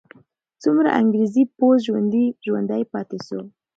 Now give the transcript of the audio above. څومره انګریزي پوځ ژوندی پاتې سو؟